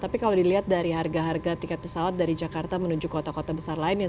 tapi kalau dilihat dari harga harga tiket pesawat dari jakarta menuju kota kota besar lainnya